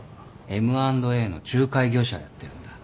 Ｍ＆Ａの仲介業者やってるんだ。